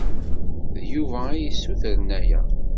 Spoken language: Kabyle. D Yuba ay d-yessutren aya.